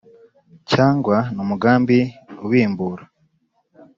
cyangwa ni umugambi ubimbura